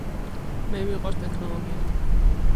მე მიყვარს ტექნოლოგია.